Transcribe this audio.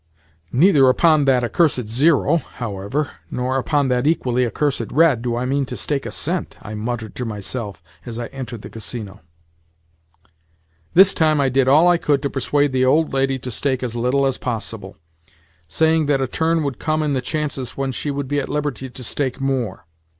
"Neither upon that accursed zero, however, nor upon that equally accursed red do I mean to stake a cent," I muttered to myself as I entered the Casino. This time I did all I could to persuade the old lady to stake as little as possible—saying that a turn would come in the chances when she would be at liberty to stake more.